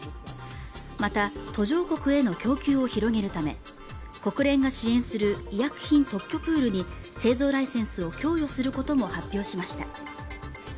また、途上国への供給を広げるため、国連が支援する医薬品特許プールに製造ライセンスを供与することも発表しました。